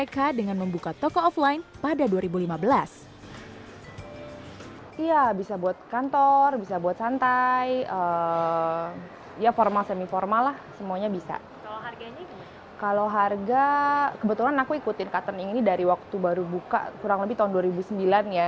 kalau harga kebetulan aku ikutin cotton ini dari waktu baru buka kurang lebih tahun dua ribu sembilan ya